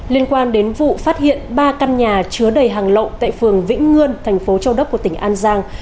liên quan đến vụ phát hiện ba căn nhà chứa đầy hàng lậu tại phường vĩnh ngươn thành phố châu đốc của tỉnh an giang